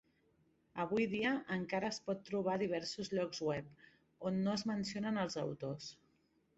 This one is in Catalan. Avui dia encara es pot trobar a diversos llocs web, on no es mencionen els autors.